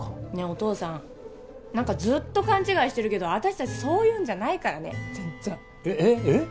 お父さん何かずっと勘違いしてるけど私達そういうんじゃないからね全然えっえっえっ？